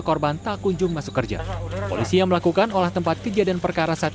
korban tak kunjung masuk kerja polisi yang melakukan olah tempat kejadian perkara saat